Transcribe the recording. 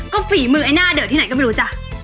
ก็ฝีมือไอ้หน้าเดอะที่ไหนก็ไม่รู้จ้ะ